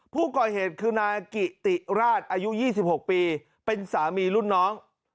ผู้ก่อเหตุคือนายกิติราชอายุ๒๖ปีเป็นสามีรุ่นน้อง